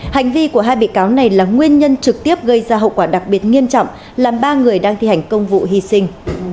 hành vi của hai bị cáo này là nguyên nhân trực tiếp gây ra hậu quả đặc biệt nghiêm trọng làm ba người đang thi hành công vụ hy sinh